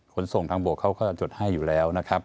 คนส่งทางบวกเขาจะจดให้อยู่แล้ว